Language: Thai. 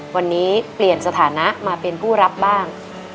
วันนี้เปลี่ยนสถานะมาเป็นผู้รับบ้าง